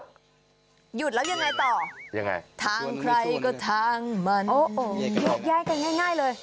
หยุดแล้วยังไงต่อทางใครก็ทางมันหยุดแยกง่ายเลย